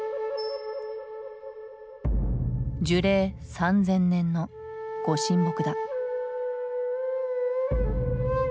樹齢３，０００年の御神木だ。